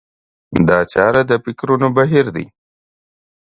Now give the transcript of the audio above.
دا چاره د فکرونو بهير دی.